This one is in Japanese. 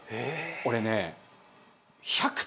俺ね。